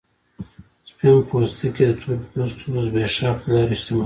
سپین پوستي د تور پوستو زبېښاک له لارې شتمن شول.